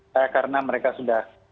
saya karena mereka sudah